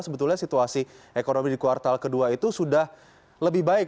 sebetulnya situasi ekonomi di kuartal kedua itu sudah lebih baik